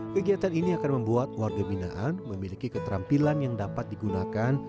kegiatan ini akan membuat warga binaan memiliki keterampilan yang dapat digunakan